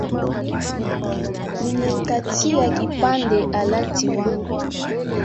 Nimemkatia kipande halati wangu